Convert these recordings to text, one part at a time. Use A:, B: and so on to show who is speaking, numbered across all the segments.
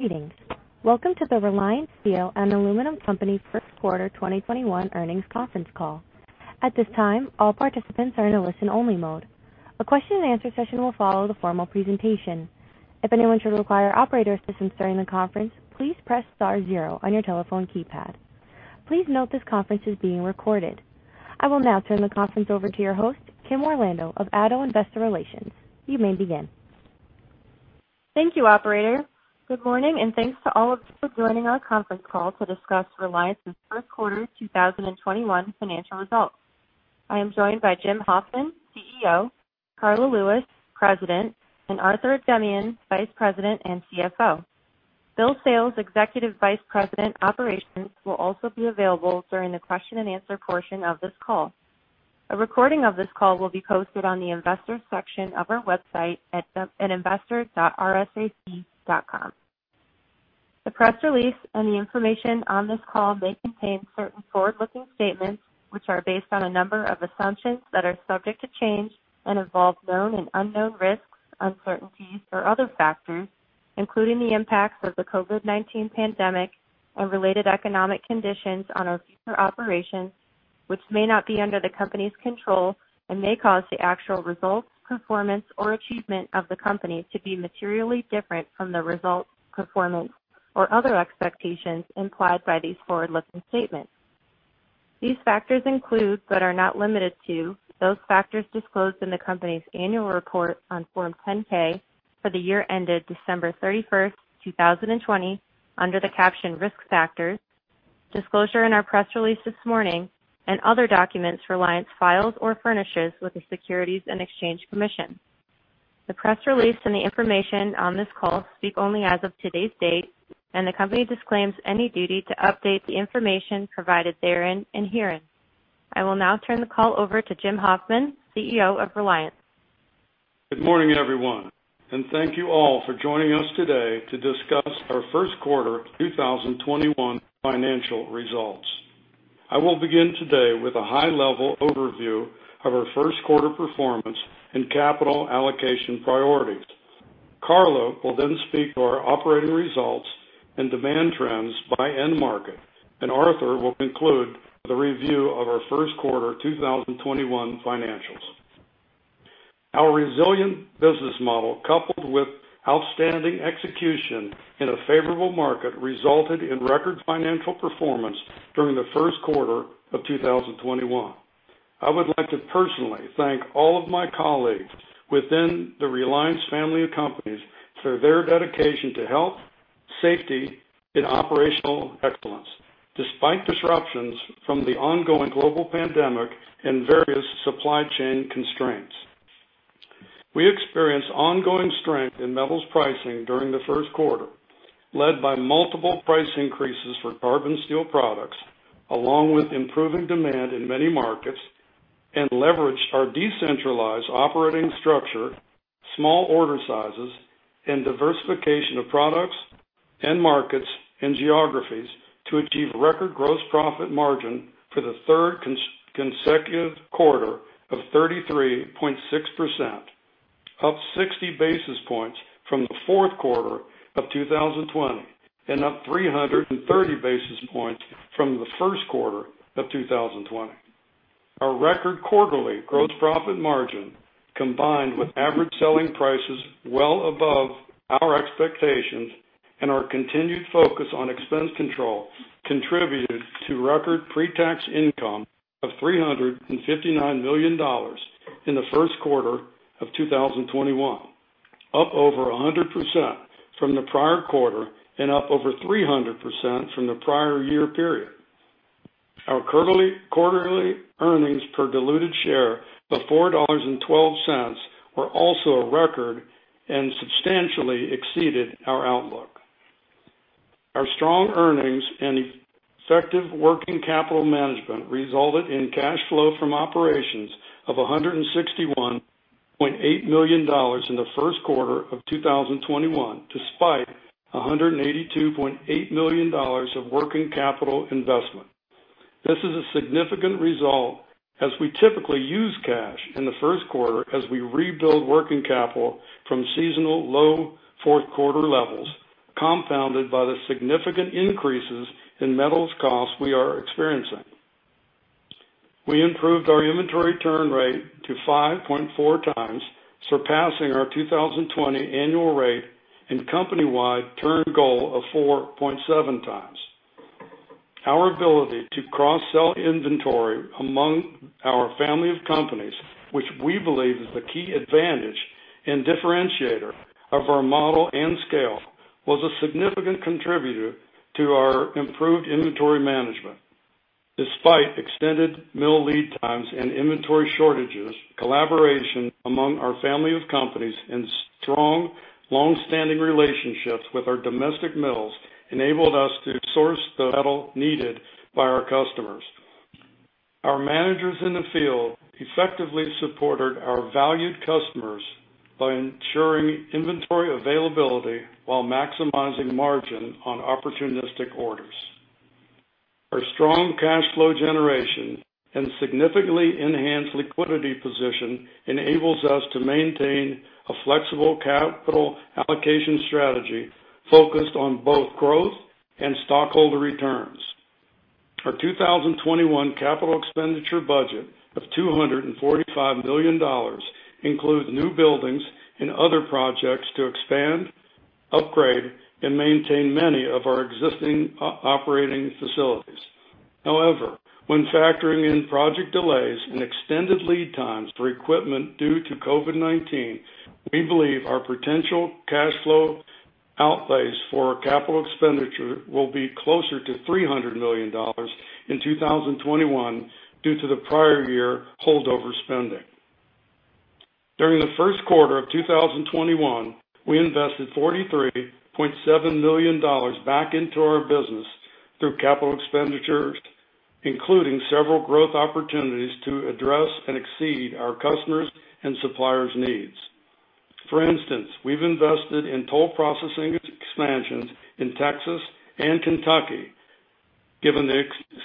A: Greetings, welcome to the Reliance Steel & Aluminum Company First Quarter 2021 Earnings Conference Call, at this time, all participants are in a listen only mode. A question-and-answer session will follow the formal presentation. If anyone which will require operator asistance during the conference. Please press star zero on your telephone keypad, please note this conference is being recorded. I will now turn the conference over to your host, Kimberly Orlando of ADDO Investor Relations, you may begin.
B: Thank you, operator. Good morning, and thanks to all of you for joining our conference call to discuss Reliance's first quarter 2021 financial results. I am joined by Jim Hoffman, CEO, Karla Lewis, President, and Arthur Ajemyan, Vice President and CFO. Will Sales, Executive Vice President Operations, will also be available during the question-and-answer portion of this call. A recording of this call will be posted on the investors section of our website at investor.rsac.com. The press release and the information on this call may contain certain forward-looking statements, which are based on a number of assumptions that are subject to change and involve known and unknown risks, uncertainties or other factors, including the impacts of the COVID-19 pandemic and related economic conditions on our future operations, which may not be under the company's control and may cause the actual results, performance, or achievement of the company to be materially different from the results, performance, or other expectations implied by these forward-looking statements. These factors include, but are not limited to, those factors disclosed in the company's annual report on Form 10-K for the year ended December 31st, 2020 under the caption Risk Factors, disclosure in our press release this morning, and other documents Reliance files or furnishes with the Securities and Exchange Commission. The press release and the information on this call speak only as of today's date, and the company disclaims any duty to update the information provided therein and herein. I will now turn the call over to Jim Hoffman, CEO of Reliance.
C: Good morning, everyone, thank you all for joining us today to discuss our first quarter 2021 financial results. I will begin today with a high-level overview of our first quarter performance and capital allocation priorities. Karla will speak to our operating results and demand trends by end market, and Arthur will conclude the review of our first quarter 2021 financials. Our resilient business model, coupled with outstanding execution in a favorable market, resulted in record financial performance during the first quarter of 2021. I would like to personally thank all of my colleagues within the Reliance family of companies for their dedication to health, safety, and operational excellence, despite disruptions from the ongoing global pandemic and various supply chain constraints. We experienced ongoing strength in metals pricing during the first quarter, led by multiple price increases for carbon steel products, along with improving demand in many markets, and leveraged our decentralized operating structure, small order sizes, and diversification of products and markets and geographies to achieve record gross profit margin for the third consecutive quarter of 33.6%, up 60 basis points from the fourth quarter of 2020 and up 330 basis points from the first quarter of 2020. Our record quarterly gross profit margin, combined with average selling prices well above our expectations and our continued focus on expense control, contributed to record pre-tax income of $359 million in the first quarter of 2021, up over 100% from the prior quarter and up over 300% from the prior-year period. Our quarterly earnings per diluted share of $4.12 were also a record and substantially exceeded our outlook. Our strong earnings and effective working capital management resulted in cash flow from operations of $161.8 million in the first quarter of 2021, despite $182.8 million of working capital investment. This is a significant result, as we typically use cash in the first quarter as we rebuild working capital from seasonal low fourth quarter levels, compounded by the significant increases in metals costs we are experiencing. We improved our inventory turn rate to 5.4x, surpassing our 2020 annual rate and company-wide turn goal of 4.7x. Our ability to cross-sell inventory among our family of companies, which we believe is the key advantage and differentiator of our model and scale, was a significant contributor to our improved inventory management. Despite extended mill lead times and inventory shortages, collaboration among our family of companies and strong, longstanding relationships with our domestic mills enabled us to source the metal needed by our customers. Our managers in the field effectively supported our valued customers by ensuring inventory availability while maximizing margin on opportunistic orders. Our strong cash flow generation and significantly enhanced liquidity position enables us to maintain a flexible capital allocation strategy focused on both growth and stockholder returns. Our 2021 capital expenditure budget of $245 million includes new buildings and other projects to expand, upgrade, and maintain many of our existing operating facilities. However, when factoring in project delays and extended lead times for equipment due to COVID-19, we believe our potential cash flow outlays for our capital expenditure will be closer to $300 million in 2021 due to the prior year holdover spending. During the first quarter of 2021, we invested $43.7 million back into our business through capital expenditures, including several growth opportunities to address and exceed our customers' and suppliers needs. For instance, we've invested in toll processing expansions in Texas and Kentucky, given the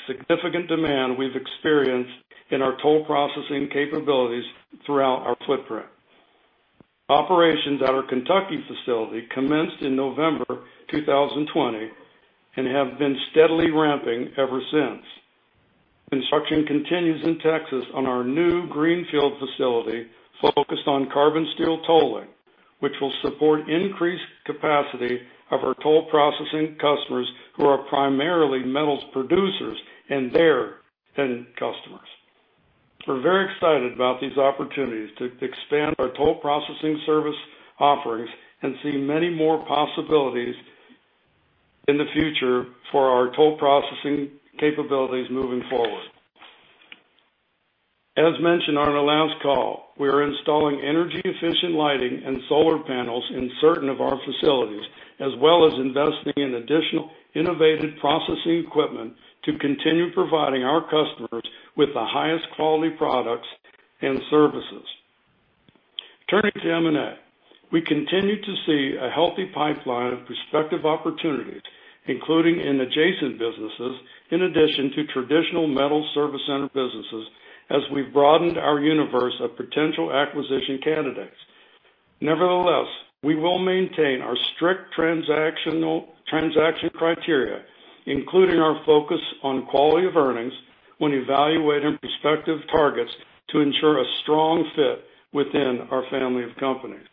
C: significant demand we've experienced in our toll processing capabilities throughout our footprint. Operations at our Kentucky facility commenced in November 2020 and have been steadily ramping ever since. Construction continues in Texas on our new greenfield facility focused on carbon steel tolling, which will support increased capacity of our toll processing customers who are primarily metals producers and their end customers. We're very excited about these opportunities to expand our toll processing service offerings and see many more possibilities in the future for our toll processing capabilities moving forward. As mentioned on our last call, we are installing energy-efficient lighting and solar panels in certain of our facilities, as well as investing in additional innovative processing equipment to continue providing our customers with the highest quality products and services. Turning to M&A, we continue to see a healthy pipeline of prospective opportunities, including in adjacent businesses, in addition to traditional metal service center businesses, as we've broadened our universe of potential acquisition candidates. Nevertheless, we will maintain our strict transaction criteria, including our focus on quality of earnings when evaluating prospective targets to ensure a strong fit within our family of companies.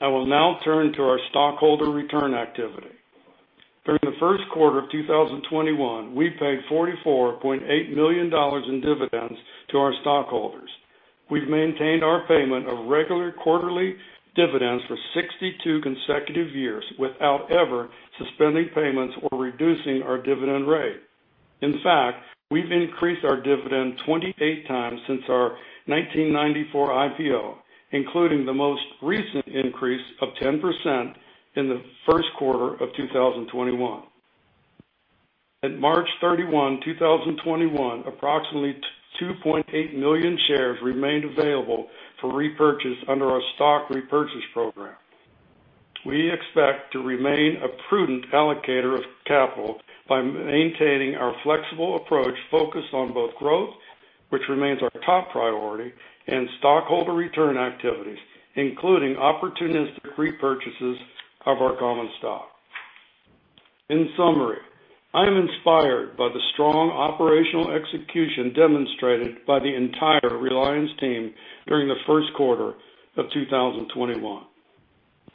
C: I will now turn to our stockholder return activity. During the first quarter of 2021, we paid $44.8 million in dividends to our stockholders. We've maintained our payment of regular quarterly dividends for 62 consecutive years without ever suspending payments or reducing our dividend rate. In fact, we've increased our dividend 28x since our 1994 IPO, including the most recent increase of 10% in the first quarter of 2021. At March 31, 2021, approximately 2.8 million shares remained available for repurchase under our stock repurchase program. We expect to remain a prudent allocator of capital by maintaining our flexible approach focused on both growth, which remains our top priority, and stockholder return activities, including opportunistic repurchases of our common stock. In summary, I am inspired by the strong operational execution demonstrated by the entire Reliance team during the first quarter of 2021.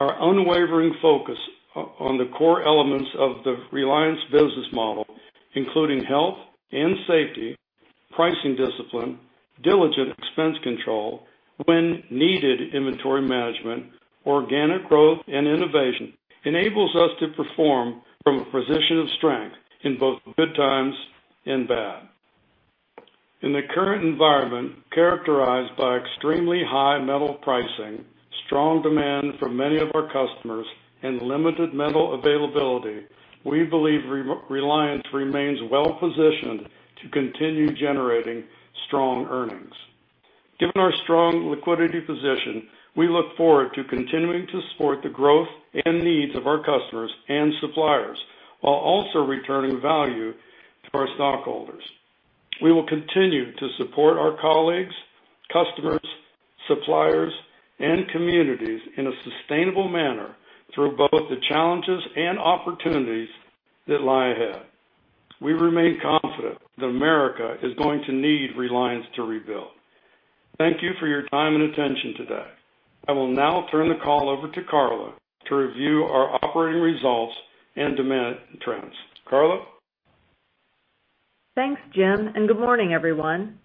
C: Our unwavering focus on the core elements of the Reliance business model, including health and safety, pricing discipline, diligent expense control, when needed inventory management, organic growth, and innovation, enables us to perform from a position of strength in both good times and bad. In the current environment, characterized by extremely high metal pricing, strong demand from many of our customers, and limited metal availability, we believe Reliance remains well-positioned to continue generating strong earnings. Given our strong liquidity position, we look forward to continuing to support the growth and needs of our customers and suppliers, while also returning value to our stockholders. We will continue to support our colleagues, customers, suppliers, and communities in a sustainable manner through both the challenges and opportunities that lie ahead. We remain confident that America is going to need Reliance to rebuild. Thank you for your time and attention today. I will now turn the call over to Karla to review our operating results and demand trends. Karla?
D: Thanks, Jim, and good morning, everyone.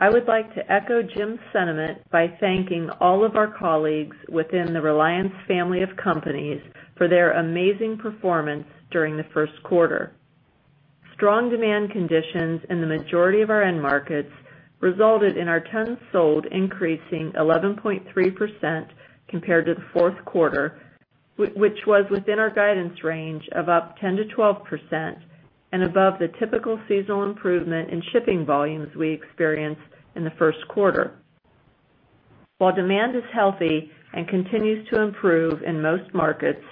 D: I would like to echo Jim's sentiment by thanking all of our colleagues within the Reliance family of companies for their amazing performance during the first quarter. Strong demand conditions in the majority of our end markets resulted in our tons sold increasing 11.3% compared to the fourth quarter, which was within our guidance range of up 10%-12% and above the typical seasonal improvement in shipping volumes we experience in the first quarter. While demand is healthy and continues to improve in most markets,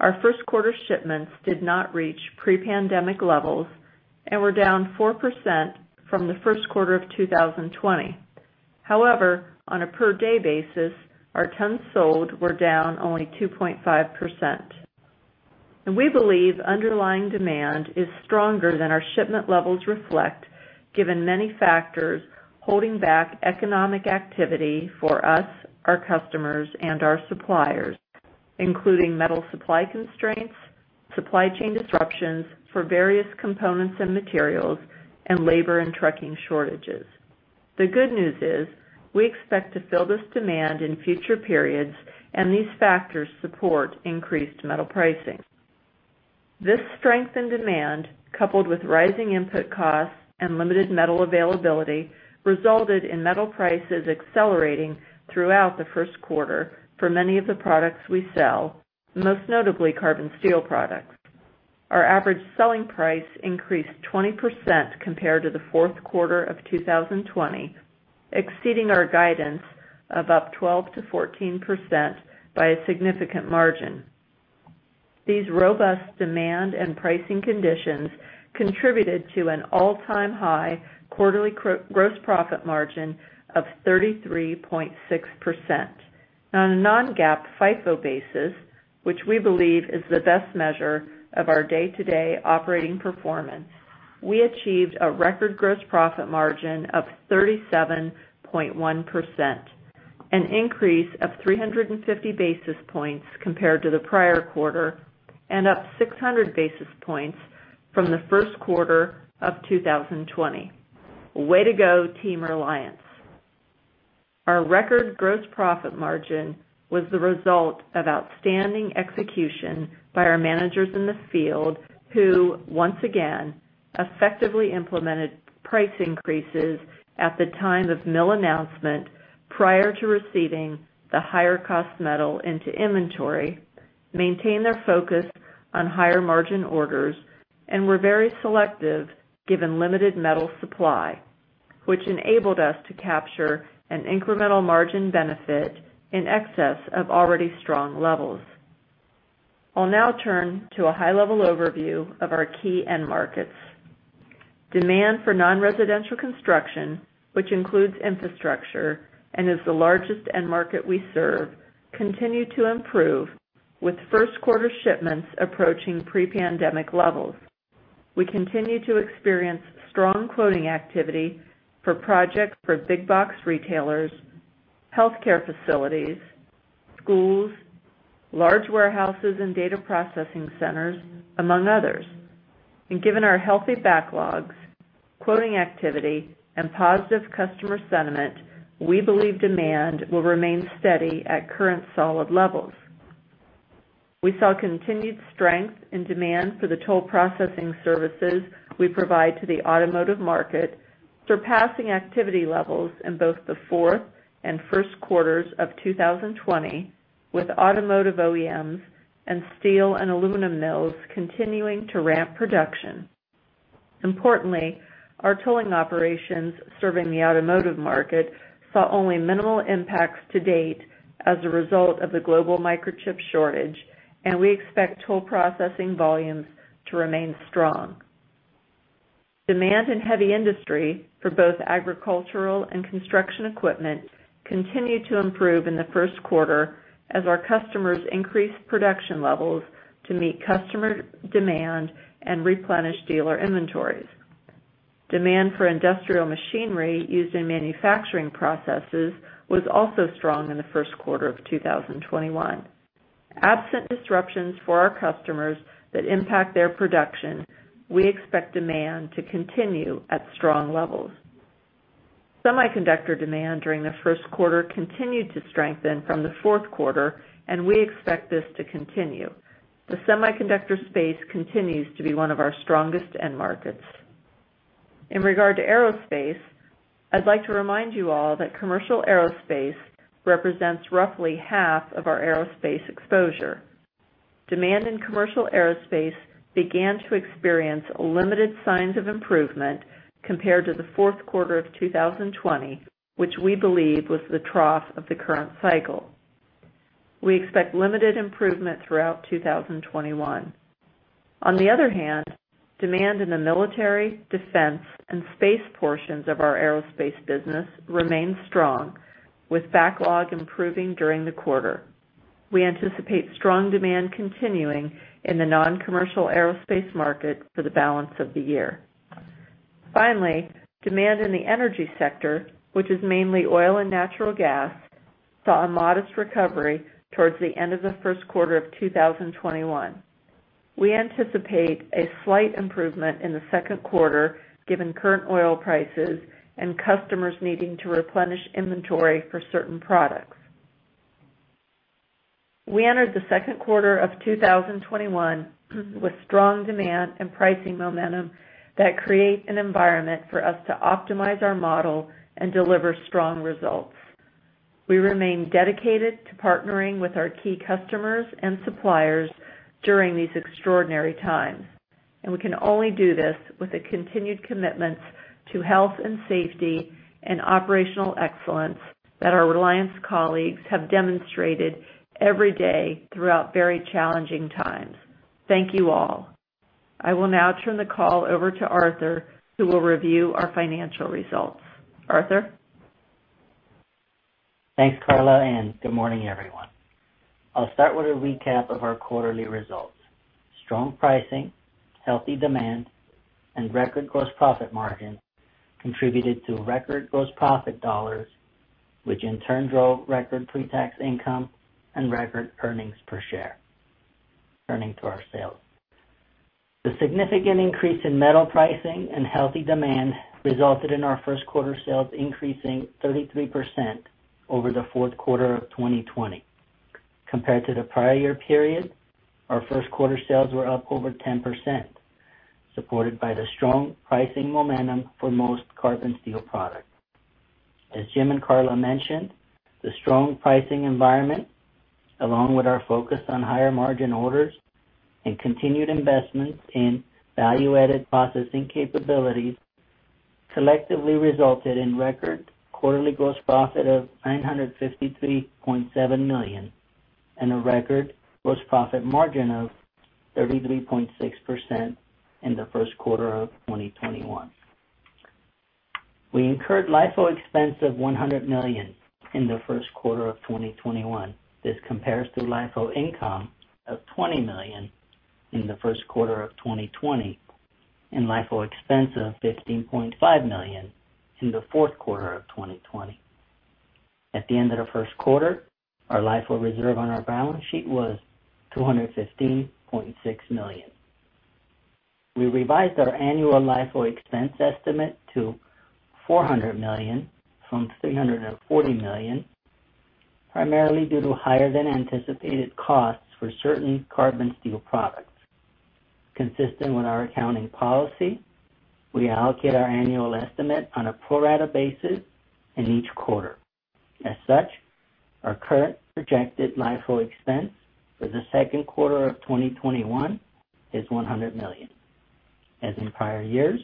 D: our first quarter shipments did not reach pre-pandemic levels and were down 4% from the first quarter of 2020. However, on a per day basis, our tons sold were down only 2.5%. We believe underlying demand is stronger than our shipment levels reflect, given many factors holding back economic activity for us, our customers, and our suppliers, including metal supply constraints, supply chain disruptions for various components and materials, and labor and trucking shortages. The good news is we expect to fill this demand in future periods. These factors support increased metal pricing. This strength in demand, coupled with rising input costs and limited metal availability, resulted in metal prices accelerating throughout the first quarter for many of the products we sell, most notably carbon steel products. Our average selling price increased 20% compared to the fourth quarter of 2020, exceeding our guidance of up 12%-14% by a significant margin. These robust demand and pricing conditions contributed to an all-time high quarterly gross profit margin of 33.6%. On a non-GAAP FIFO basis, which we believe is the best measure of our day-to-day operating performance, we achieved a record gross profit margin of 37.1%, an increase of 350 basis points compared to the prior quarter and up 600 basis points from the first quarter of 2020. Way to go, Team Reliance. Our record gross profit margin was the result of outstanding execution by our managers in the field who, once again, effectively implemented price increases at the time of mill announcement prior to receiving the higher cost metal into inventory, maintained their focus on higher margin orders, and were very selective given limited metal supply, which enabled us to capture an incremental margin benefit in excess of already strong levels. I'll now turn to a high-level overview of our key end markets. Demand for non-residential construction, which includes infrastructure and is the largest end market we serve, continued to improve with first quarter shipments approaching pre-pandemic levels. We continue to experience strong quoting activity for projects for big box retailers, healthcare facilities, schools, large warehouses, and data processing centers, among others. Given our healthy backlogs, quoting activity, and positive customer sentiment, we believe demand will remain steady at current solid levels. We saw continued strength in demand for the toll processing services we provide to the automotive market, surpassing activity levels in both the fourth and first quarters of 2020 with automotive OEMs and steel and aluminum mills continuing to ramp production. Importantly, our tolling operations serving the automotive market saw only minimal impacts to date as a result of the global microchip shortage, and we expect toll processing volumes to remain strong. Demand in heavy industry for both agricultural and construction equipment continued to improve in the first quarter as our customers increased production levels to meet customer demand and replenish dealer inventories. Demand for industrial machinery used in manufacturing processes was also strong in the first quarter of 2021. Absent disruptions for our customers that impact their production, we expect demand to continue at strong levels. Semiconductor demand during the first quarter continued to strengthen from the fourth quarter, and we expect this to continue. The semiconductor space continues to be one of our strongest end markets. In regard to aerospace, I'd like to remind you all that commercial aerospace represents roughly half of our aerospace exposure. Demand in commercial aerospace began to experience limited signs of improvement compared to the fourth quarter of 2020, which we believe was the trough of the current cycle. We expect limited improvement throughout 2021. On the other hand, demand in the military, defense, and space portions of our aerospace business remained strong with backlog improving during the quarter. We anticipate strong demand continuing in the non-commercial aerospace market for the balance of the year. Finally, demand in the energy sector, which is mainly oil and natural gas, saw a modest recovery towards the end of the first quarter of 2021. We anticipate a slight improvement in the second quarter given current oil prices and customers needing to replenish inventory for certain products. We entered the second quarter of 2021 with strong demand and pricing momentum that creates an environment for us to optimize our model and deliver strong results. We remain dedicated to partnering with our key customers and suppliers during these extraordinary times. We can only do this with the continued commitments to health and safety and operational excellence that our Reliance colleagues have demonstrated every day throughout very challenging times, thank you all. I will now turn the call over to Arthur, who will review our financial results, Arthur?
E: Thanks, Karla, good morning, everyone. I'll start with a recap of our quarterly results. Strong pricing, healthy demand, and record gross profit margin contributed to record gross profit dollars, which in turn drove record pretax income and record earnings per share. Turning to our sales. The significant increase in metal pricing and healthy demand resulted in our first quarter sales increasing 33% over the fourth quarter of 2020. Compared to the prior-year period, our first quarter sales were up over 10%, supported by the strong pricing momentum for most carbon steel products. As Jim and Karla mentioned, the strong pricing environment, along with our focus on higher-margin orders and continued investments in value-added processing capabilities, collectively resulted in record quarterly gross profit of $953.7 million and a record gross profit margin of 33.6% in the first quarter of 2021. We incurred LIFO expense of $100 million in the first quarter of 2021. This compares to LIFO income of $20 million in the first quarter of 2020 and LIFO expense of $15.5 million in the fourth quarter of 2020. At the end of the first quarter, our LIFO reserve on our balance sheet was $215.6 million. We revised our annual LIFO expense estimate to $400 million from $340 million, primarily due to higher-than-anticipated costs for certain carbon steel products. Consistent with our accounting policy, we allocate our annual estimate on a pro rata basis in each quarter. As such, our current projected LIFO expense for the second quarter of 2021 is $100 million. As in prior years,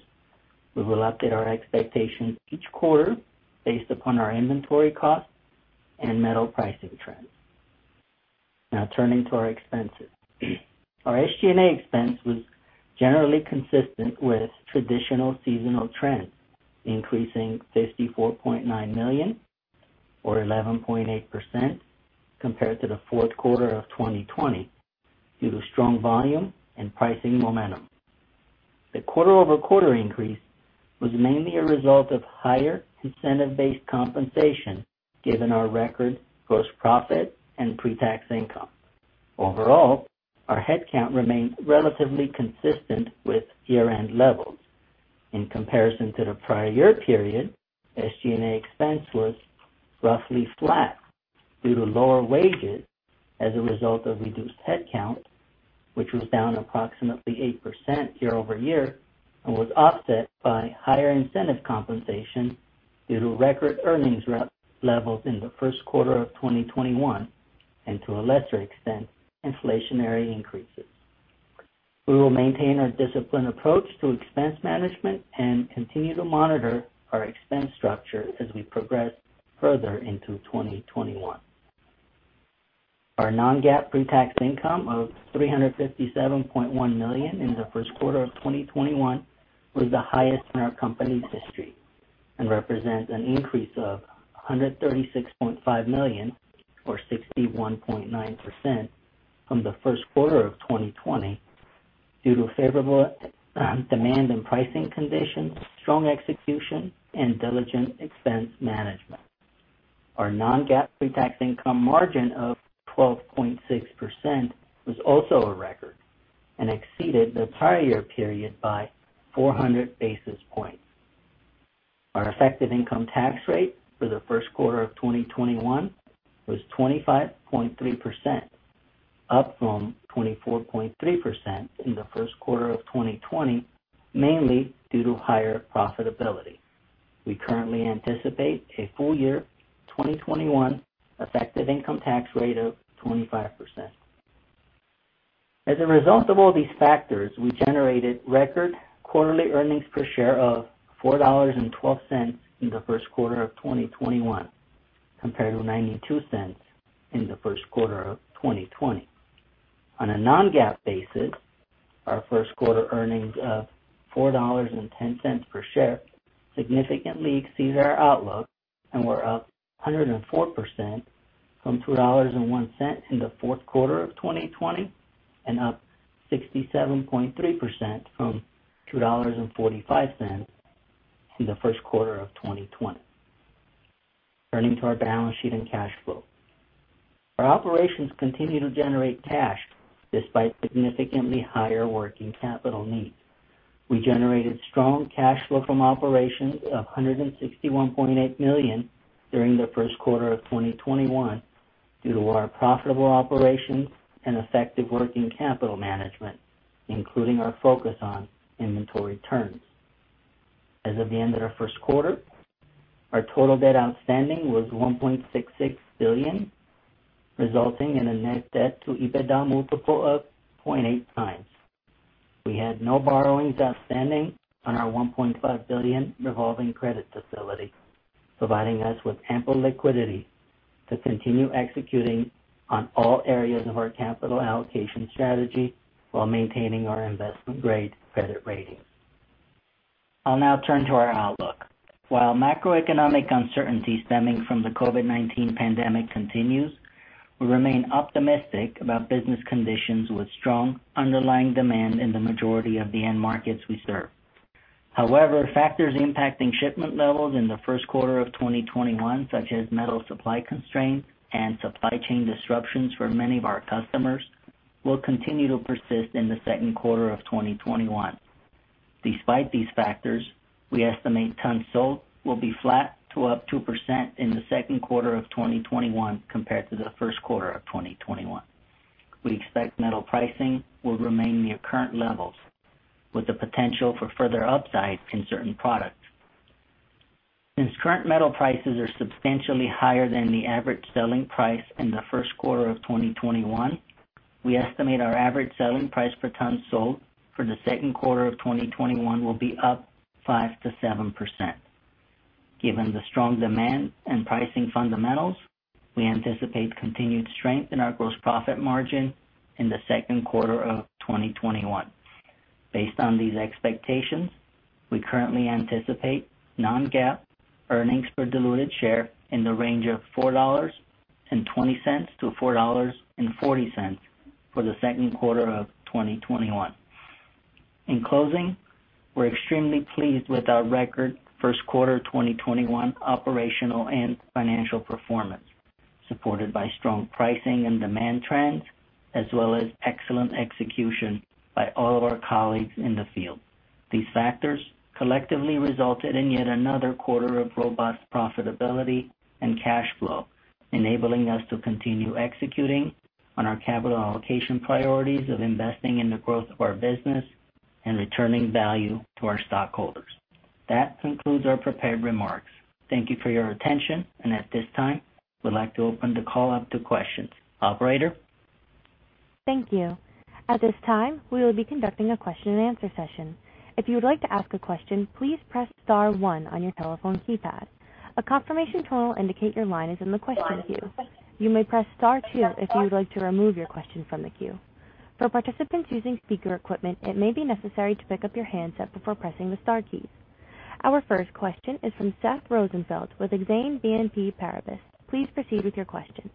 E: we will update our expectations each quarter based upon our inventory costs and metal pricing trends. Now turning to our expenses. Our SG&A expense was generally consistent with traditional seasonal trends, increasing $54.9 million or 11.8% compared to the fourth quarter of 2020 due to strong volume and pricing momentum. The quarter-over-quarter increase was mainly a result of higher incentive-based compensation given our record gross profit and pretax income. Overall, our headcount remained relatively consistent with year-end levels. In comparison to the prior-year period, SG&A expense was roughly flat due to lower wages as a result of reduced headcount, which was down approximately 8% year-over-year and was offset by higher incentive compensation due to record earnings levels in the first quarter of 2021, and to a lesser extent, inflationary increases. We will maintain our disciplined approach to expense management and continue to monitor our expense structure as we progress further into 2021. Our non-GAAP pretax income of $357.1 million in the first quarter of 2021 was the highest in our company's history and represents an increase of $136.5 million or 61.9% from the first quarter of 2020 due to favorable demand and pricing conditions, strong execution, and diligent expense management. Our non-GAAP pretax income margin of 12.6% was also a record and exceeded the prior-year period by 400 basis points. Our effective income tax rate for the first quarter of 2021 was 25.3%, up from 24.3% in the first quarter of 2020, mainly due to higher profitability. We currently anticipate a full year 2021 effective income tax rate of 25%. As a result of all these factors, we generated record quarterly earnings per share of $4.12 in the first quarter of 2021, compared to $0.92 in the first quarter of 2020. On a non-GAAP basis, our first quarter earnings of $4.10 per share significantly exceeded our outlook and were up 104% from $2.01 in the fourth quarter of 2020 and up 67.3% from $2.45 in the first quarter of 2020. Turning to our balance sheet and cash flow. Our operations continue to generate cash despite significantly higher working capital needs. We generated strong cash flow from operations of $161.8 million during the first quarter of 2021 due to our profitable operations and effective working capital management, including our focus on inventory turns. As of the end of our first quarter, our total debt outstanding was $1.66 billion, resulting in a net debt to EBITDA multiple of 0.8x. We had no borrowings outstanding on our $1.5 billion revolving credit facility, providing us with ample liquidity to continue executing on all areas of our capital allocation strategy while maintaining our investment-grade credit rating. I'll now turn to our outlook. While macroeconomic uncertainty stemming from the COVID-19 pandemic continues, we remain optimistic about business conditions with strong underlying demand in the majority of the end markets we serve. However, factors impacting shipment levels in the first quarter of 2021, such as metal supply constraints and supply chain disruptions for many of our customers, will continue to persist in the second quarter of 2021. Despite these factors, we estimate tons sold will be flat to up 2% in the second quarter of 2021 compared to the first quarter of 2021. We expect metal pricing will remain near current levels, with the potential for further upside in certain products. Since current metal prices are substantially higher than the average selling price in the first quarter of 2021, we estimate our average selling price per ton sold for the second quarter of 2021 will be up 5%-7%. Given the strong demand and pricing fundamentals, we anticipate continued strength in our gross profit margin in the second quarter of 2021. Based on these expectations, we currently anticipate non-GAAP earnings per diluted share in the range of $4.20-$4.40 for the second quarter of 2021. In closing, we are extremely pleased with our record first quarter 2021 operational and financial performance, supported by strong pricing and demand trends, as well as excellent execution by all of our colleagues in the field. These factors collectively resulted in yet another quarter of robust profitability and cash flow, enabling us to continue executing on our capital allocation priorities of investing in the growth of our business and returning value to our stockholders. That concludes our prepared remarks. Thank you for your attention. At this time, we'd like to open the call up to questions. Operator?
A: Thank you, at this time we will be conducting a question-and-answer session. If you would like to ask a question, please press star one on your telephone keypad, a confirmation tone indicate your line is in the question queue. You may press star two if you'd like to remove your question from the queue. For participants using speaker equipment it may be necessary to pick up your handset before pressing star key. Our first question is from Seth Rosenfeld with Exane BNP Paribas, please proceed with your question.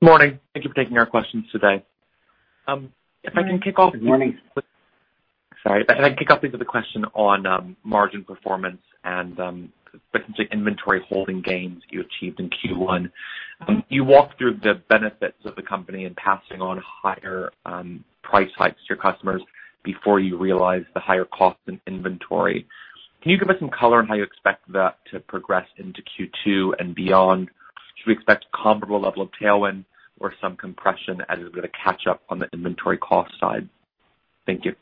F: Morning, thank you for taking our questions today.
E: Good morning.
F: Sorry, if I can kick off with a question on margin performance and the inventory holding gains you achieved in Q1. You walked through the benefits of the company in passing on higher price hikes to your customers before you realize the higher cost in inventory. Can you give us some color on how you expect that to progress into Q2 and beyond? Should we expect comparable level of tailwind or some compression as we're going to catch up on the inventory cost side? Thank you.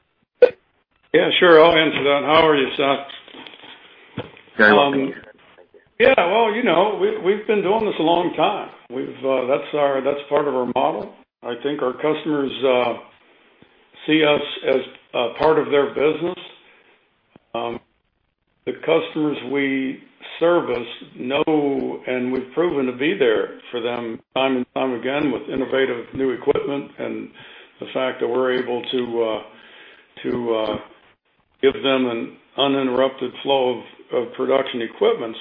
C: Yeah, sure, I'll answer that. How are you, Seth?
F: Very well.
C: Yeah, well, we've been doing this a long time. That's part of our model. I think our customers see us as a part of their business. The customers we service know, and we've proven to be there for them time and time again with innovative new equipment, and the fact that we're able to give them an uninterrupted flow of production equipment.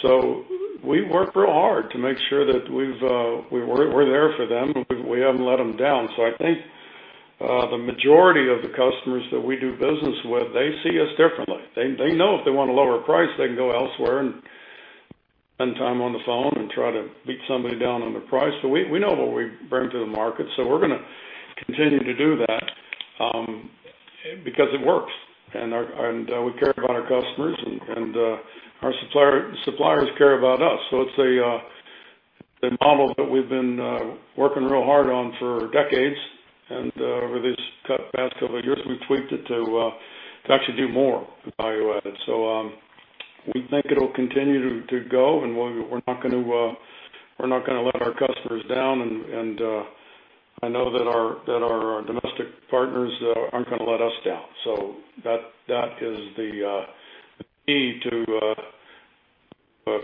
C: We work real hard to make sure that we're there for them, and we haven't let them down. I think the majority of the customers that we do business with, they see us differently. They know if they want a lower price, they can go elsewhere and spend time on the phone and try to beat somebody down on their price. We know what we bring to the market, so we're going to continue to do that because it works, and we care about our customers, and our suppliers care about us. It's a model that we've been working real hard on for decades. Over these past couple of years, we've tweaked it to actually do more value add. We think it'll continue to go, and we're not going to let our customers down, and I know that our domestic partners aren't going to let us down. That is the key to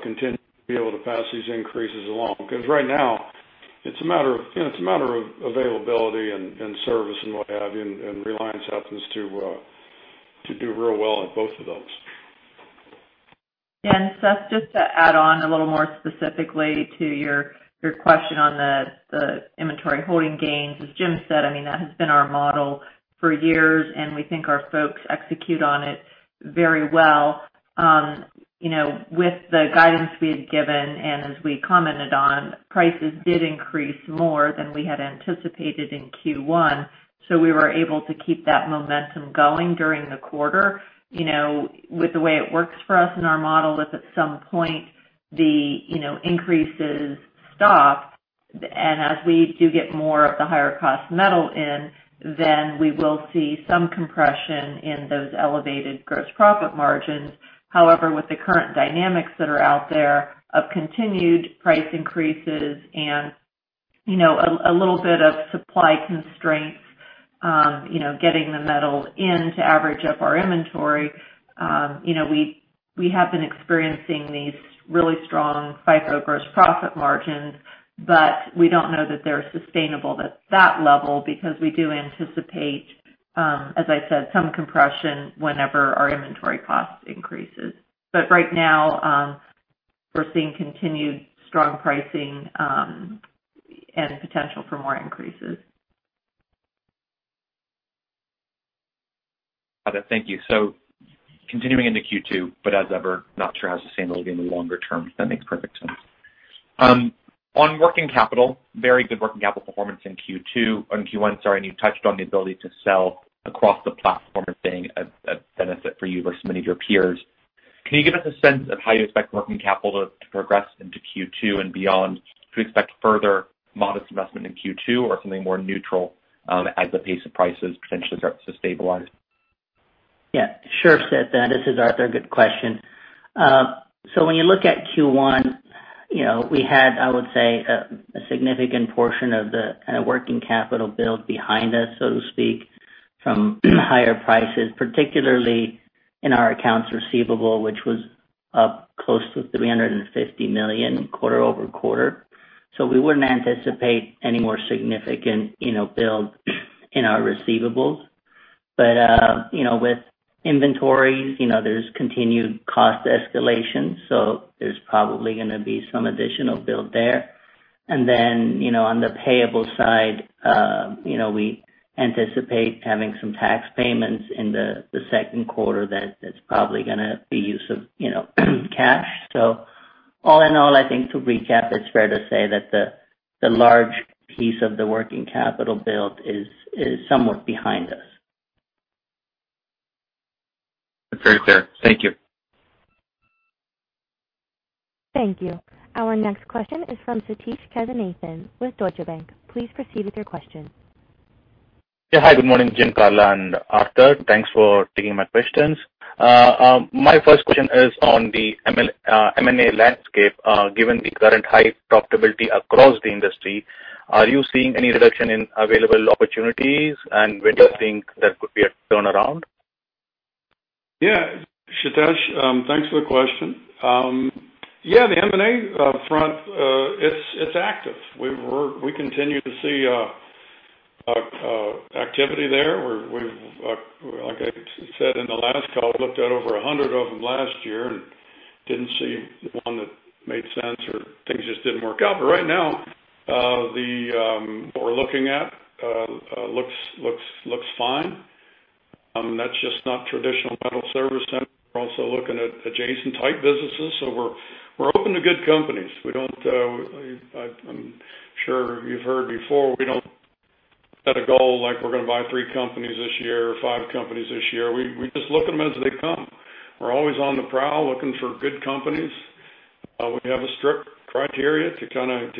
C: continue to be able to pass these increases along. Right now, it's a matter of availability and service and what have you, and Reliance happens to do real well at both of those.
D: Seth, just to add on a little more specifically to your question on the inventory holding gains. As Jim said, that has been our model for years, and we think our folks execute on it very well. With the guidance we had given and as we commented on, prices did increase more than we had anticipated in Q1, so we were able to keep that momentum going during the quarter. With the way it works for us in our model is at some point the increases stop. As we do get more of the higher cost metal in, we will see some compression in those elevated gross profit margins. However, with the current dynamics that are out there of continued price increases and a little bit of supply constraints, getting the metal in to average up our inventory, we have been experiencing these really strong FIFO gross profit margins. We don't know that they're sustainable at that level because we do anticipate, as I said, some compression whenever our inventory cost increases. Right now, we're seeing continued strong pricing, and potential for more increases.
F: Got it, thank you. Continuing into Q2, but as ever, not sure how sustainable it will be in the longer term, that makes perfect sense. On working capital, very good working capital performance in Q2. On Q1, sorry, and you touched on the ability to sell across the platform as being a benefit for you versus many of your peers. Can you give us a sense of how you expect working capital to progress into Q2 and beyond? Do you expect further modest investment in Q2 or something more neutral, as the pace of prices potentially starts to stabilize?
E: Yeah, sure, Seth, this is Arthur, good question. When you look at Q1, we had, I would say, a significant portion of the working capital build behind us, so to speak, from higher prices, particularly in our accounts receivable, which was up close to $350 million quarter-over-quarter. We wouldn't anticipate any more significant build in our receivables. With inventories, there's continued cost escalation, so there's probably going to be some additional build there. On the payable side, we anticipate having some tax payments in the second quarter that's probably going to be use of cash. All in all, I think to recap, it's fair to say that the large piece of the working capital build is somewhat behind us.
F: That's very clear, thank you.
A: Thank you, our next question is from Sathish Kasinathan with Deutsche Bank, please proceed with your question.
G: Yeah, hi, good morning, Jim, Karla, and Arthur, thanks for taking my questions. My first question is on the M&A landscape. Given the current high profitability across the industry, are you seeing any reduction in available opportunities, and when do you think there could be a turnaround?
C: Yeah, Sathish, thanks for the question. The M&A front, it's active. We continue to see activity there, where we've, like I said in the last call, looked at over 100 of them last year, didn't see one that made sense or things just didn't work out. Right now, what we're looking at looks fine. That's just not traditional metal service center. We're also looking at adjacent type businesses. We're open to good companies. I'm sure you've heard before, we don't set a goal like we're gonna buy three companies this year or five companies this year. We just look at them as they come. We're always on the prowl looking for good companies. We have a strict criteria to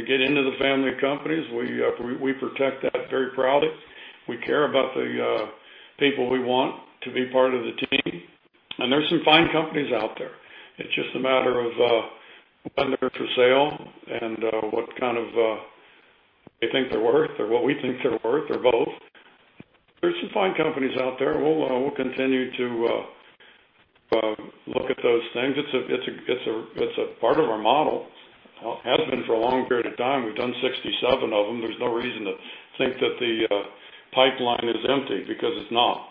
C: get into the family of companies, we protect that very proudly. We care about the people we want to be part of the team, and there's some fine companies out there. It's just a matter of when they're for sale and what they think they're worth, or what we think they're worth, or both. There's some fine companies out there. We'll continue to look at those things. It's a part of our model. Has been for a long period of time, we've done 67 of them. There's no reason to think that the pipeline is empty because it's not.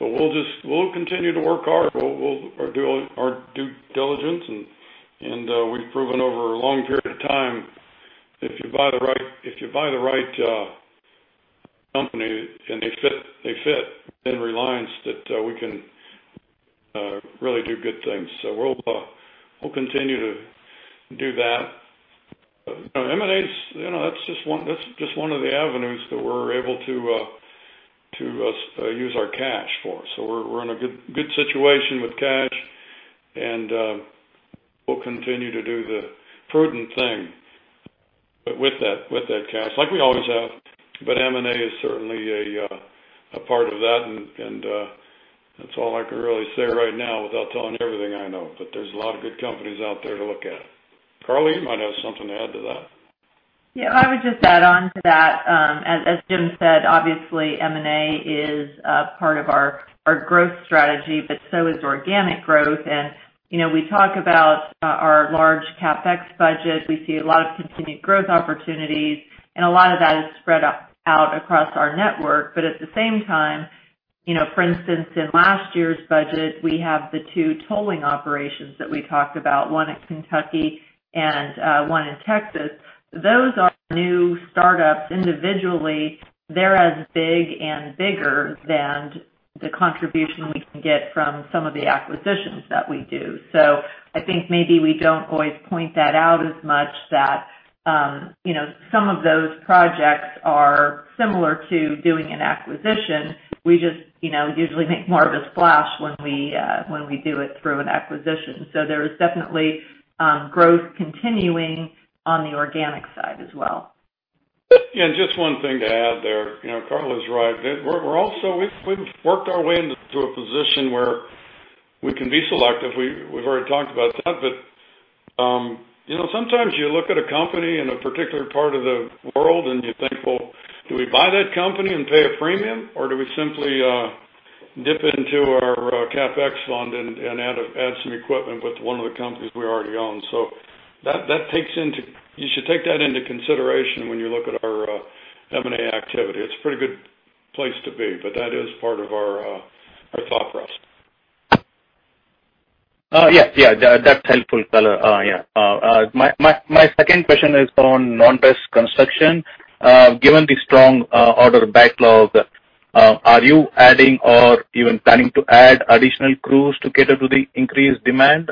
C: We'll continue to work hard. We'll do our due diligence, and we've proven over a long period of time, if you buy the right company and they fit in Reliance, that we can really do good things, we'll continue to do that. M&A, that's just one of the avenues that we're able to use our cash for. We're in a good situation with cash, and we'll continue to do the prudent thing with that cash, like we always have. M&A is certainly a part of that, and that's all I can really say right now without telling everything I know. There's a lot of good companies out there to look at. Karla, you might have something to add to that.
D: Yeah, I would just add on to that. As Jim said, obviously M&A is a part of our growth strategy, so is organic growth. We talk about our large CapEx budget. We see a lot of continued growth opportunities, and a lot of that is spread out across our network. At the same time, for instance, in last year's budget, we have the two tolling operations that we talked about, one in Kentucky and one in Texas. Those are new startups. Individually, they're as big and bigger than the contribution we can get from some of the acquisitions that we do. I think maybe we don't always point that out as much that some of those projects are similar to doing an acquisition. We just usually make more of a splash when we do it through an acquisition. There is definitely growth continuing on the organic side as well.
C: Yeah, just one thing to add there, you know Karla is right. We've worked our way into a position where we can be selective. We've already talked about that, but sometimes you look at a company in a particular part of the world, and you think, "Well, do we buy that company and pay a premium, or do we simply dip into our CapEx fund and add some equipment with one of the companies we already own?" You should take that into consideration when you look at our M&A activity. It's a pretty good place to be, but that is part of our thought process.
G: Yeah, that's helpful, Karla. Yeah, my second question is on non-res construction. Given the strong order backlog, are you adding or even planning to add additional crews to cater to the increased demand?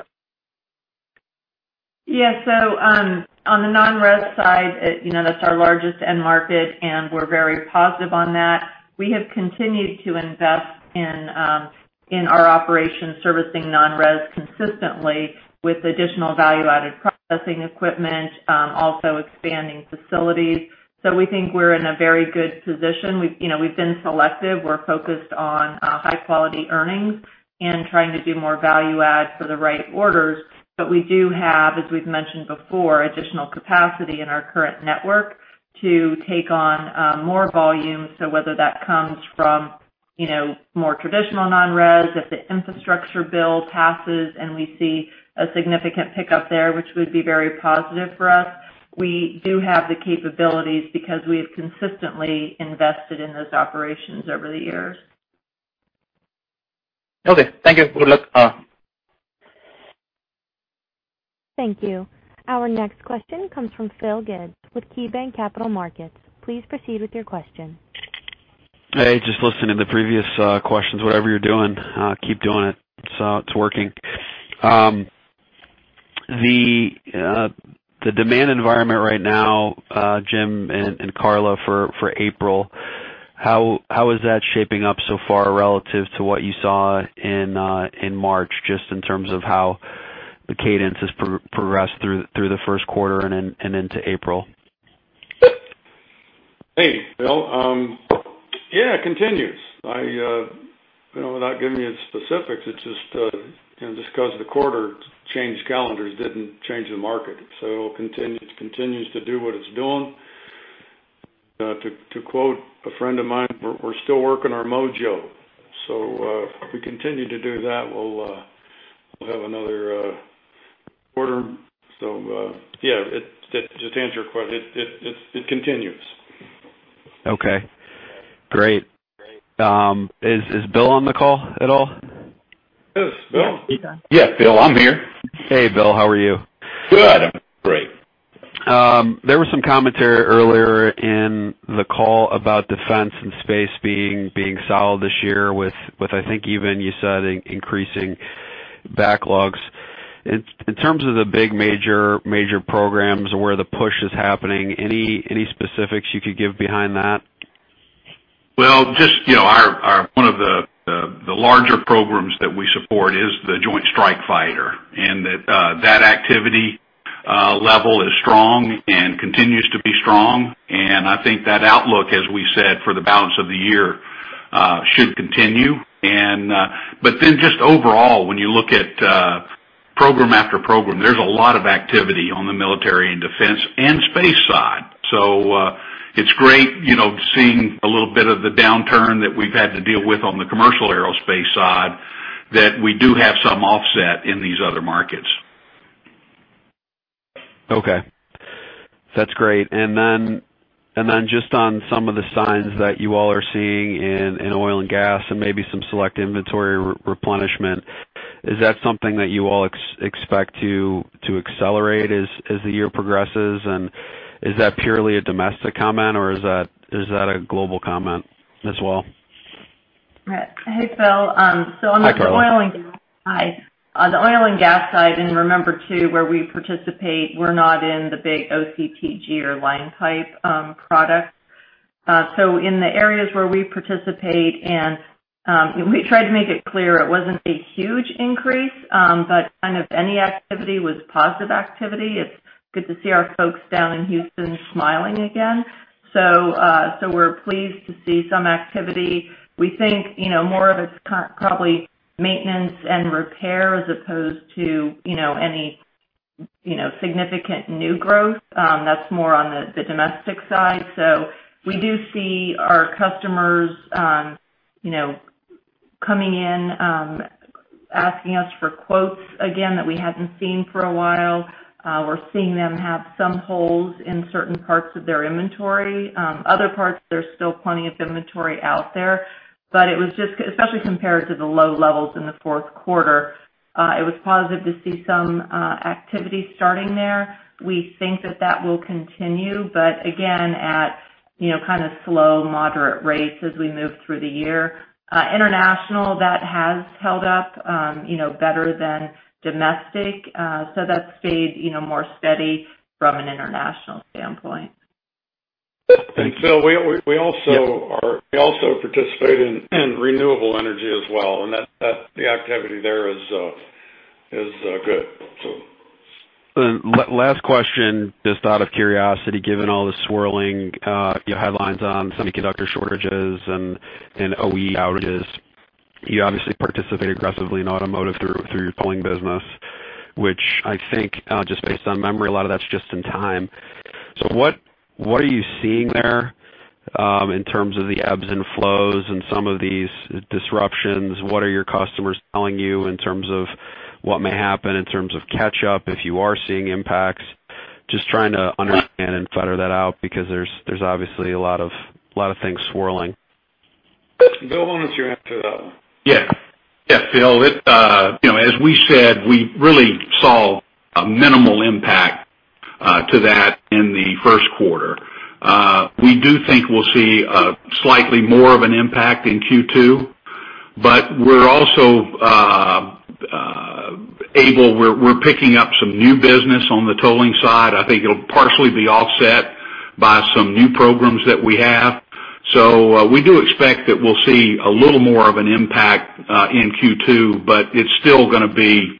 D: On the non-res side, that's our largest end market, and we're very positive on that. We have continued to invest in our operations servicing non-res consistently with additional value-added processing equipment, also expanding facilities. We think we're in a very good position. We've been selective. We're focused on high-quality earnings and trying to do more value add for the right orders. We do have, as we've mentioned before, additional capacity in our current network to take on more volume. Whether that comes from more traditional non-res, if the Infrastructure Bill passes and we see a significant pick up there, which would be very positive for us, we do have the capabilities because we have consistently invested in those operations over the years.
G: Okay, thank you, good luck.
A: Thank you, our next question comes from Phil Gibbs with KeyBanc Capital Markets, please proceed with your question.
H: Hey, just listening to the previous questions, whatever you're doing, keep doing it, it's working. The demand environment right now, Jim and Karla, for April, how is that shaping up so far relative to what you saw in March, just in terms of how the cadence has progressed through the first quarter and into April?
C: Hey, Phil, yeah, it continues. Without giving you specifics, it's just because the quarter changed calendars, didn't change the market. It continues to do what it's doing. To quote a friend of mine, "We're still working our mojo." If we continue to do that, we'll have another quarter. Yeah, just to answer your question, it continues.
H: Okay, great, is Bill on the call at all?
C: Yes, Bill?
I: Yeah, Bill, I'm here.
H: Hey, Bill, how are you?
I: Good, I'm great.
H: There was some commentary earlier in the call about defense and space being solid this year with, I think, even you said increasing backlogs. In terms of the big major programs where the push is happening, any specifics you could give behind that?
I: Just one of the larger programs that we support is the Joint Strike Fighter, and that activity level is strong and continues to be strong. I think that outlook, as we said, for the balance of the year, should continue. Just overall, when you look at program after program, there's a lot of activity on the military and defense and space side. It's great seeing a little bit of the downturn that we've had to deal with on the commercial aerospace side, that we do have some offset in these other markets.
H: Okay, that's great, and then just on some of the signs that you all are seeing in oil and gas and maybe some select inventory replenishment, is that something that you all expect to accelerate as the year progresses? Is that purely a domestic comment or is that a global comment as well?
D: Hey, Phil.
H: Hi, Karla.
D: On the oil and gas side, and remember, too, where we participate, we're not in the big OCTG or line pipe products. In the areas where we participate, and we tried to make it clear it wasn't a huge increase, but kind of any activity was positive activity. It's good to see our folks down in Houston smiling again. We're pleased to see some activity. We think more of it's probably maintenance and repair as opposed to any significant new growth. That's more on the domestic side. We do see our customers coming in, asking us for quotes again that we hadn't seen for a while. We're seeing them have some holes in certain parts of their inventory. Other parts, there's still plenty of inventory out there. Especially compared to the low levels in the fourth quarter, it was positive to see some activity starting there. We think that that will continue, but again, at kind of slow, moderate rates as we move through the year. International, that has held up better than domestic. That's stayed more steady from an international standpoint.
H: Thank you.
C: Phil, we also participate in renewable energy as well, and the activity there is good.
H: Last question, just out of curiosity, given all the swirling headlines on semiconductor shortages and OEM outages. You obviously participate aggressively in automotive through your tolling business, which I think, just based on memory, a lot of that's just-in-time. What are you seeing there in terms of the ebbs and flows and some of these disruptions? What are your customers telling you in terms of what may happen in terms of catch-up, if you are seeing impacts? Just trying to understand and flesh that out because there's obviously a lot of things swirling.
C: Bill, why don't you answer that one?
I: Yeah, Phil, as we said, we really saw a minimal impact to that in the first quarter. We do think we'll see slightly more of an impact in Q2. We're picking up some new business on the tolling side. I think it'll partially be offset by some new programs that we have. We do expect that we'll see a little more of an impact in Q2, but it's still going to be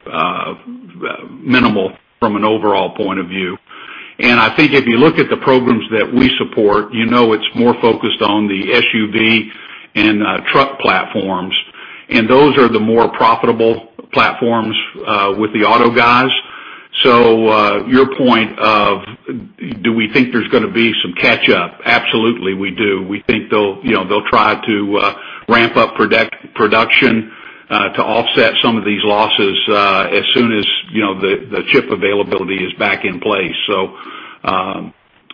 I: minimal from an overall point of view. I think if you look at the programs that we support, you know it's more focused on the SUV and truck platforms, and those are the more profitable platforms with the auto guys. Your point of, do we think there's going to be some catch-up? Absolutely, we do. We think they'll try to ramp up production to offset some of these losses as soon as the chip availability is back in place.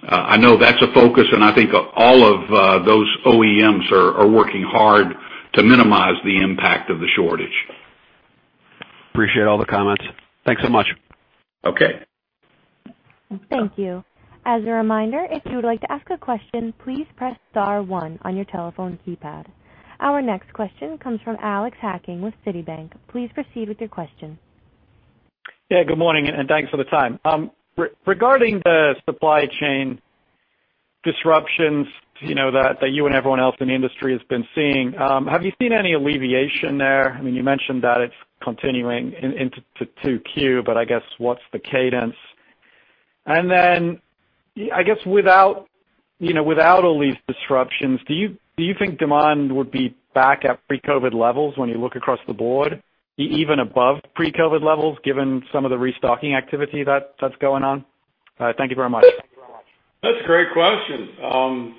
I: I know that's a focus, and I think all of those OEMs are working hard to minimize the impact of the shortage.
H: Appreciate all the comments, thanks so much.
I: Okay.
A: Thank you, as a reminder, if you would like to ask a question, please press star one on your telephone keypad. Our next question comes from Alex Hacking with Citi, please proceed with your question.
J: Yeah, good morning, thanks for the time. Regarding the supply chain disruptions that you and everyone else in the industry has been seeing, have you seen any alleviation there? You mentioned that it's continuing into 2Q, but I guess, what's the cadence? Then, I guess without all these disruptions, do you think demand would be back at pre-COVID levels when you look across the board? Even above pre-COVID levels, given some of the restocking activity that's going on? Thank you very much.
C: That's a great question,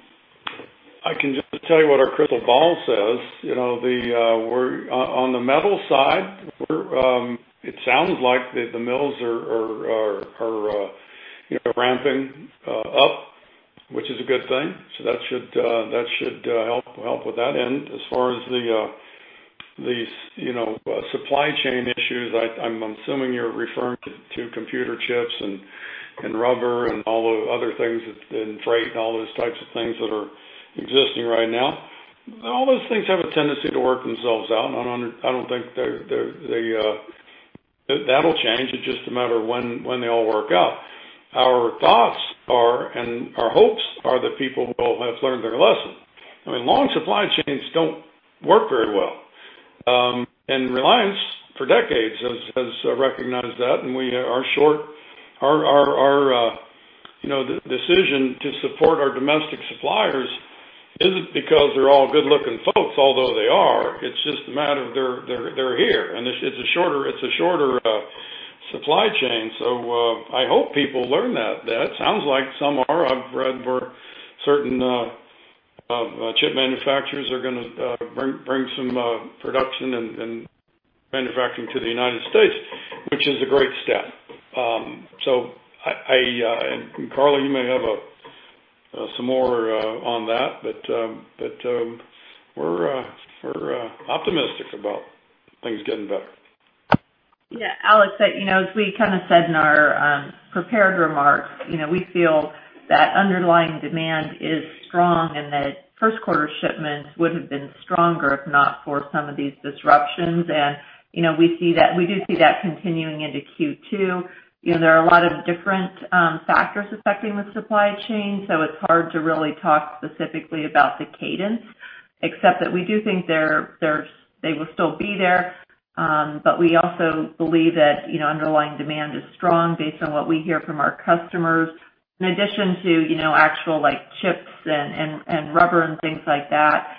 C: I can just tell you what our crystal ball says. On the metal side, it sounds like the mills are ramping up, which is a good thing. That should help with that end. As far as these supply chain issues, I'm assuming you're referring to computer chips and rubber and all the other things, and freight, and all those types of things that are existing right now. All those things have a tendency to work themselves out. I don't think that'll change. It's just a matter of when they all work out. Our thoughts are, and our hopes are that people will have learned their lesson. Long supply chains don't work very well. Reliance, for decades, has recognized that, and we are short. Our decision to support our domestic suppliers isn't because they're all good-looking folks, although they are. It's just a matter of they're here, and it's a shorter supply chain. I hope people learn that. It sounds like some are. I've read where certain chip manufacturers are going to bring some production and manufacturing to the U.S., which is a great step. Karla, you may have some more on that, but we're optimistic about things getting better.
D: Yeah, Alex, as we kind of said in our prepared remarks, we feel that underlying demand is strong and that first quarter shipments would have been stronger if not for some of these disruptions. We do see that continuing into Q2. There are a lot of different factors affecting the supply chain, so it's hard to really talk specifically about the cadence, except that we do think they will still be there. We also believe that underlying demand is strong based on what we hear from our customers. In addition to actual chips and rubber and things like that,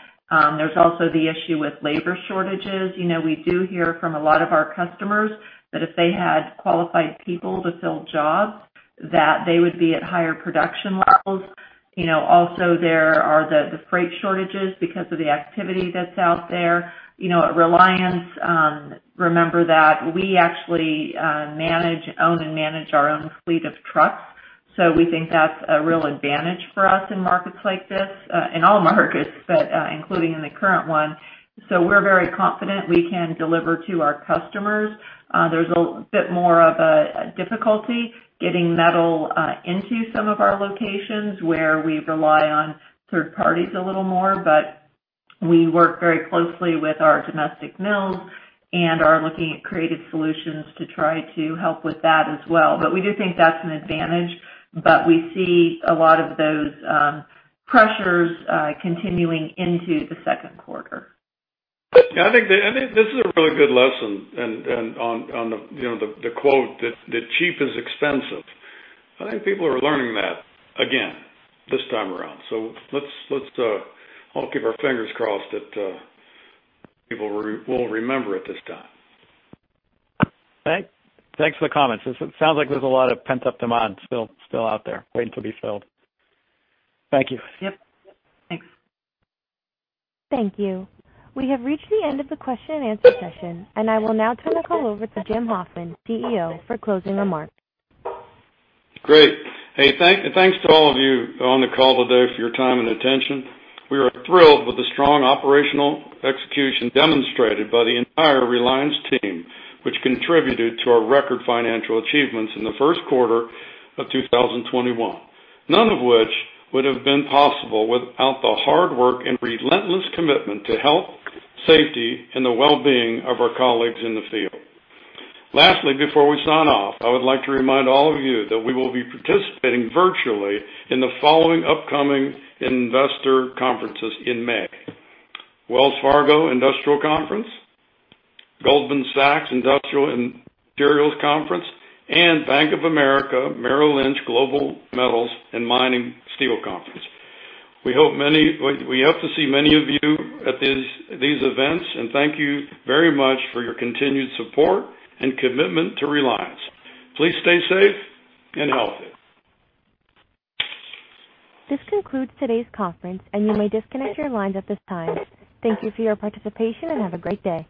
D: there's also the issue with labor shortages. We do hear from a lot of our customers that if they had qualified people to fill jobs, that they would be at higher production levels. Also, there are the freight shortages because of the activity that's out there. At Reliance, remember that we actually own and manage our own fleet of trucks. We think that's a real advantage for us in markets like this, in all markets, including in the current one. We're very confident we can deliver to our customers. There's a bit more of a difficulty getting metal into some of our locations where we rely on third parties a little more, but we work very closely with our domestic mills and are looking at creative solutions to try to help with that as well. We do think that's an advantage, but we see a lot of those pressures continuing into the second quarter.
C: I think this is a really good lesson on the quote that cheap is expensive. I think people are learning that again this time around. Let's all keep our fingers crossed that people will remember it this time.
J: Thanks for the comments, it sounds like there's a lot of pent-up demand still out there waiting to be filled, thank you.
D: Yep, thanks.
A: Thank you, we have reached the end of the question-and-answer session, and I will now turn the call over to Jim Hoffman, CEO, for closing remarks.
C: Great, hey, thanks to all of you on the call today for your time and attention. We are thrilled with the strong operational execution demonstrated by the entire Reliance team, which contributed to our record financial achievements in the first quarter of 2021. None of which would have been possible without the hard work and relentless commitment to health, safety, and the well-being of our colleagues in the field. Lastly, before we sign off, I would like to remind all of you that we will be participating virtually in the following upcoming investor conferences in May. Wells Fargo Industrials Conference, Goldman Sachs Industrials and Materials Conference, and Bank of America Merrill Lynch Global Metals, Mining & Steel Conference. We hope to see many of you at these events, thank you very much for your continued support and commitment to Reliance. Please stay safe and healthy.
A: This concludes today's conference, and you may disconnect your lines at this time. Thank you for your participation and have a great day.